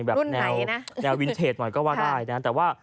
แบบแนววินเทจหน่อยก็ว่าได้นะ